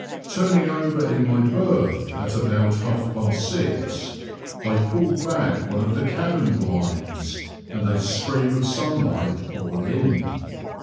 Turning over in my berth at about half past six, I pulled back one of the cabin blinds, and a stream of sunlight poured in.